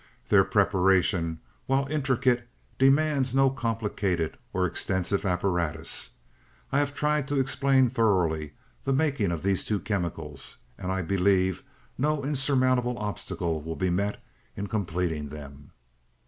Their preparation, while intricate, demands no complicated or extensive apparatus. I have tried to explain thoroughly the making of these two chemicals, and I believe no insurmountable obstacle will be met in completing them.